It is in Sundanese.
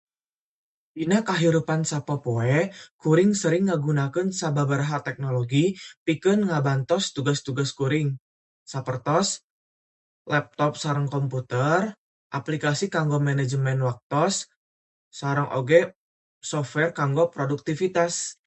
Dina kahirupan sapopoe kuring sering ngagunakeun sababaraha teknologi pikeun ngabantos tugas-tugas kuring, sapertos laptop sareng komputer, aplikasi kanggo manajemen waktos sareng oge software kanggo produktivitas.